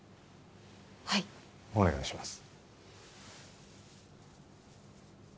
はいお願いします